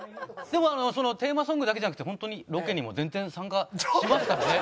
でもあのテーマソングだけじゃなくてホントにロケにも全然参加しますからね。